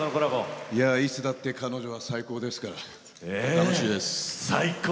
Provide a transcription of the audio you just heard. いつだって彼女は最高ですから気持ちいいです。